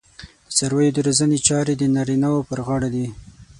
د څارویو د روزنې چارې د نارینه وو پر غاړه دي.